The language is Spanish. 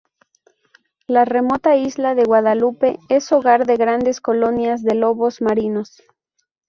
La remota Isla de Guadalupe es hogar de grandes colonias de lobos marinos.